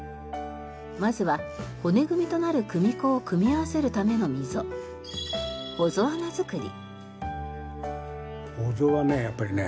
まずは骨組みとなる組子を組み合わせるための溝穴作り。